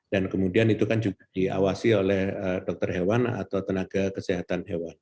dan kemudian itu kan juga diawasi oleh dokter hewan atau tenaga kesehatan hewan